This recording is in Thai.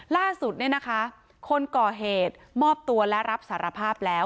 ล่าสุดเนี่ยนะคะคนก่อเหตุมอบตัวและรับสารภาพแล้ว